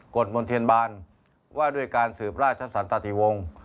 ฎมนเทียนบานว่าด้วยการสืบราชสันตติวงศ์